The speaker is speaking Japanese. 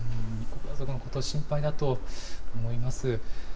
ご家族のことが心配だと思います。